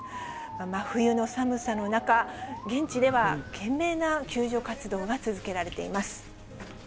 真冬の寒さの中、現地では懸命な救助活動が続けられています。